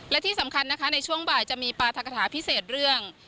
และที่สำคัญนะคะในช่วงบ่ายจะมีปราธกฐาพิเศษเรื่อง